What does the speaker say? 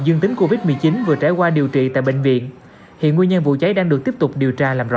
dương tính covid một mươi chín vừa trải qua điều trị tại bệnh viện hiện nguyên nhân vụ cháy đang được tiếp tục điều tra làm rõ